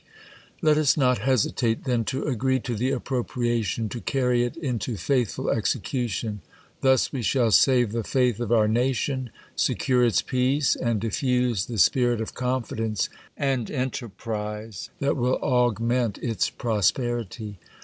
Let us not hesitate then to agree to the appropriation to carry it into faithful execution. Thus we shall save the faith of our nation, secure its peace, and diffuse ftie spirit of confidence and enterprise that will augment its prosperity.